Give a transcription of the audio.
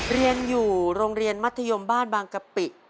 เรียนอยู่โรงเรียนมัธยมบ้านบางกะปิ